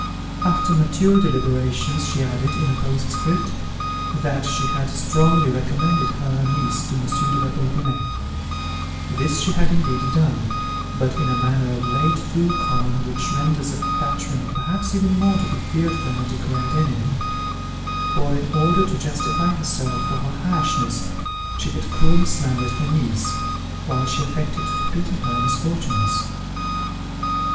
After mature deliberations, she added, in a postscript, that she had strongly recommended her niece to Monsieur de la Bourdonnais. This she had indeed done, but in a manner of late too common which renders a patron perhaps even more to be feared than a declared enemy; for, in order to justify herself for her harshness, she had cruelly slandered her niece, while she affected to pity her misfortunes.